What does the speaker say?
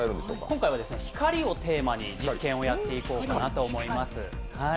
今回は光をテーマに実験をやっていこうかと思います。